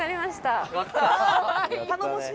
頼もしい！